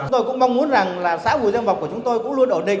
tôi cũng mong muốn rằng xã bù gia mập của chúng tôi cũng luôn ổn định